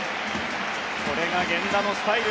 これが源田のスタイル。